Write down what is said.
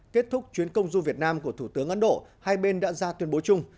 kết thúc chuyến công du việt nam của thủ tướng ấn độ hai bên đã ra tuyên bố chung